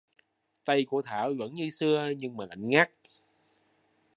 tay của thảo vẫn như xưa nhưng mà lạnh ngắt